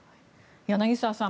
柳澤さん